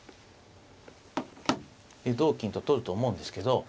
同金と取ると思うんですけど。